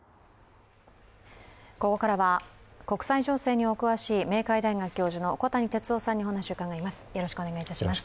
ここからは国際情勢にお詳しい明海大学教授の小谷哲男さんにお話を伺います